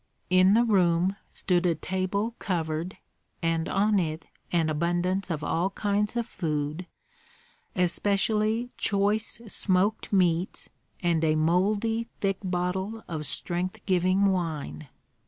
In the room stood a table covered, and on it an abundance of all kinds of food, especially choice smoked meats and a mouldy thick bottle of strength giving wine.